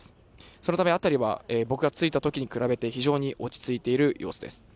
そのため、辺りは僕が着いたときに比べて、非常に落ち着いている様子です。